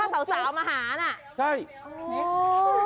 คือถ้าสาวมาหานะ